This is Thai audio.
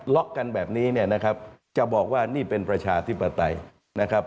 ล็อกกันแบบนี้เนี่ยนะครับจะบอกว่านี่เป็นประชาธิปไตยนะครับ